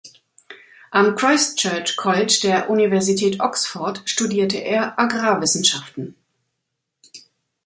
Am Christ Church College der Universität Oxford studierte er Agrarwissenschaften.